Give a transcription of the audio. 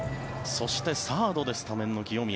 そして、サードでスタメンの清宮。